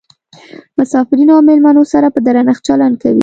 مسافرینو او میلمنو سره په درنښت چلند کوي.